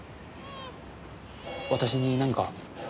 私に何か？